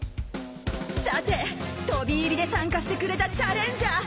さて飛び入りで参加してくれたチャレンジャー。